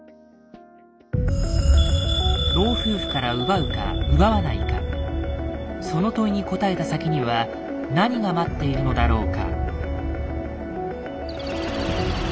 老夫婦から奪うか奪わないかその「問い」に答えた先には何が待っているのだろうか。